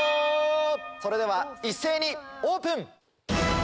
それでは一斉にオープン。